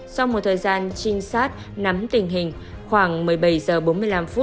sau một thời gian trinh sát nắm tình hình khoảng một mươi bảy h bốn mươi năm